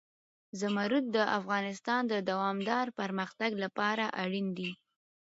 زمرد د افغانستان د دوامداره پرمختګ لپاره اړین دي.